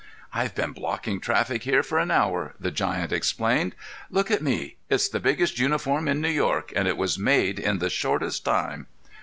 "I've been blocking traffic here for an hour," the giant explained. "Look at me! It's the biggest uniform in New York, and it was made in the shortest time."